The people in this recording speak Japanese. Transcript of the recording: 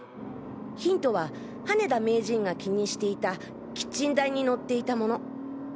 現在ヒントは羽田名人が気にしていたキッチン台に載っていたもの。